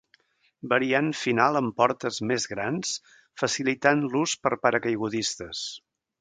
Variant final amb portes més grans facilitant l'ús per paracaigudistes.